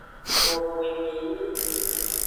Boboenyenye.